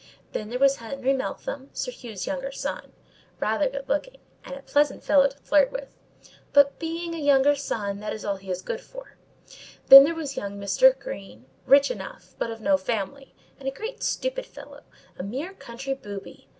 Then, there was Henry Meltham, Sir Hugh's younger son; rather good looking, and a pleasant fellow to flirt with: but being a younger son, that is all he is good for; then there was young Mr. Green, rich enough, but of no family, and a great stupid fellow, a mere country booby!